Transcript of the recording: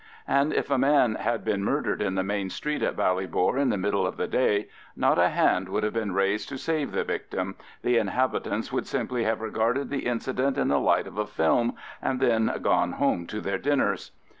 And if a man had been murdered in the main street at Ballybor in the middle of the day, not a hand would have been raised to save the victim—the inhabitants would simply have regarded the incident in the light of a film, and then gone home to their dinners.